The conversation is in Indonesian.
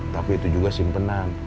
tapi itu juga simpenan